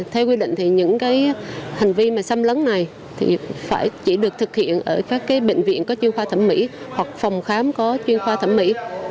theo quy định thì những hành vi mà xâm lấn này chỉ được thực hiện ở các bệnh viện có chuyên khoa thẩm mỹ hoặc phòng khám có chuyên khoa thẩm mỹ